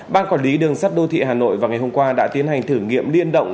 ban quản lý đường sắt đô thị hà nội vào ngày hôm qua đã tiến hành thử nghiệm liên động